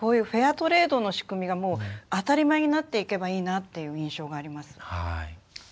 フェアトレードの仕組みが当たり前になっていけばいいなという印象があります。